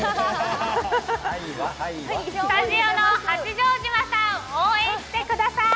スタジオの八丈島さん応援してください！